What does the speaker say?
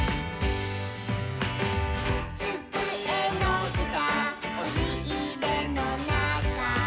「つくえのしたおしいれのなか」